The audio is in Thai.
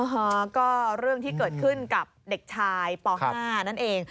ฮะก็เรื่องที่เกิดขึ้นกับเด็กชายป๕นั่นเอง